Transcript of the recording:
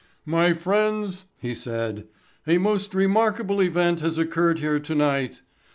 "My friends," he said, "a most remarkable event has occurred here tonight.